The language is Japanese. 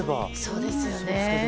そうですよね。